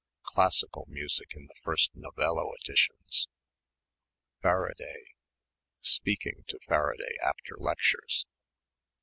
classical music in the first Novello editions ... Faraday ... speaking to Faraday after lectures.